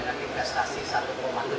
kami juga berusaha mengembangkan kepala ula